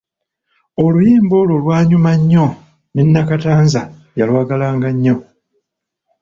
Oluyimba olwo lwanyuma nnyo ne Nakatanza yalwagalanga nnyo.